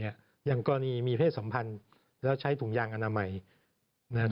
อย่างกรณีมีเพศสัมพันธ์แล้วใช้ถุงยางอนามัย